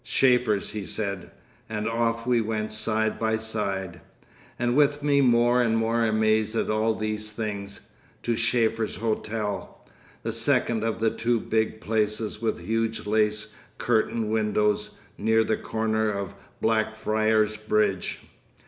"Schäfer's," he said, and off we went side by side—and with me more and more amazed at all these things—to Schäfer's Hotel, the second of the two big places with huge lace curtain covered windows, near the corner of Blackfriars Bridge.